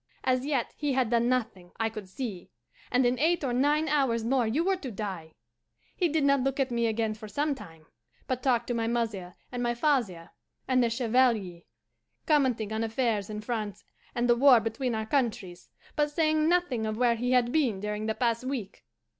As yet he had done nothing, I could see, and in eight or nine hours more you were to die. He did not look at me again for some time, but talked to my mother and my father and the Chevalier, commenting on affairs in France and the war between our countries, but saying nothing of where he had been during the past week.